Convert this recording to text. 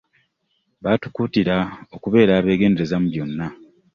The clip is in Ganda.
Baatukuutira okubeera abeegendereza mu byonna.